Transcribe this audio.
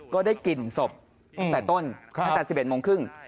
ก็ได้กลิ่นศพแต่ต้นตั้งแต่๑๑โมงครึ่ง